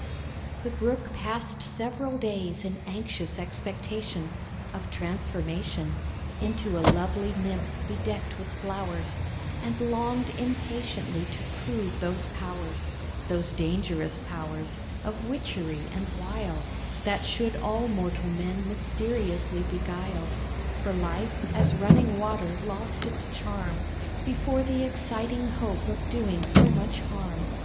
The Brook passed several days in anxious expectation Of transformation Into a lovely nymph bedecked with flowers; And longed impatiently to prove those powers Those dangerous powers of witchery and wile, That should all mortal men mysteriously beguile; For life as running water lost its charm Before the exciting hope of doing so much harm.